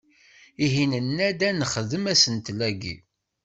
Ihi nenna-d, ad nexdem asentel-agi.